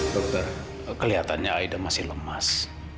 dokter kelihatannya aida masih lemas